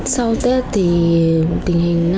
sau tết thì tình hình này